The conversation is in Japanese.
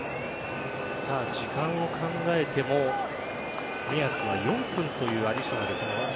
時間を考えても目安は４分というアディショナル。